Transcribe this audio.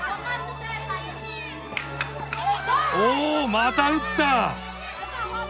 また打った！